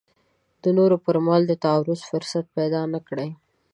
د نورو پر مال د تعرض فرصت پیدا نه کړي.